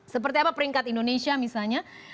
seperti apa peringkat indonesia misalnya